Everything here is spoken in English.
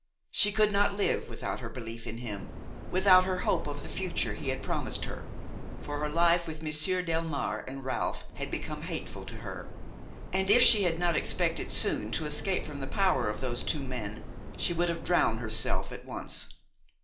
She could not live without her belief in him, without her hope of the future he had promised her; for her life with Monsieur Delmare and Ralph had become hateful to her, and if she had not expected soon to escape from the power of those two men, she would have drowned herself at once.